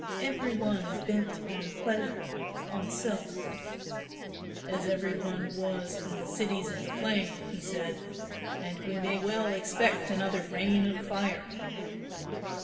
Every one is bent on pleasure on self " "As every one was in the 'Cities of the Plain,'" he said, "and we may well expect another rain of fire!"